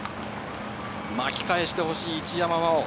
巻き返してほしい、一山麻緒。